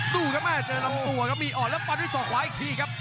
ดูครับแม่เจอลำตัวครับมีอ่อนแล้วฟันด้วยศอกขวาอีกทีครับ